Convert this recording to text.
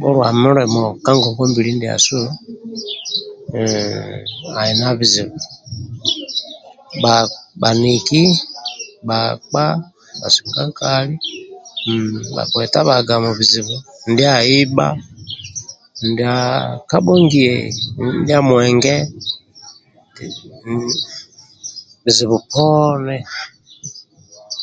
Bhulwa mulima ka ngongwabili ndasu ali na bizibu baniki bakpa basikankali bhaketabhaga mu bizibu ndyaibha ndia kabhongiye ndya mwenge bizibu poniye